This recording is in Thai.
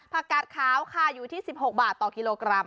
กาดขาวค่ะอยู่ที่๑๖บาทต่อกิโลกรัม